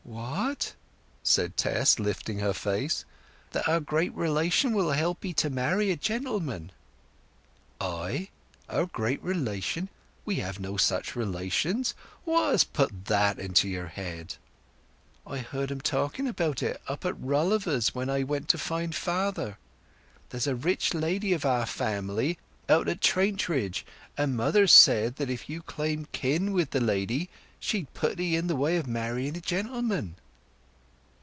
"What?" said Tess, lifting her face. "That our great relation will help 'ee to marry a gentleman." "I? Our great relation? We have no such relation. What has put that into your head?" "I heard 'em talking about it up at Rolliver's when I went to find father. There's a rich lady of our family out at Trantridge, and mother said that if you claimed kin with the lady, she'd put 'ee in the way of marrying a gentleman."